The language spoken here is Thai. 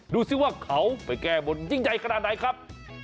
ดูสิว่าเขาไปแก้บนยิ่งใหญ่ขนาดไหนครับ